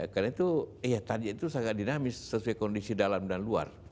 karena itu ya target itu sangat dinamis sesuai kondisi dalam dan luar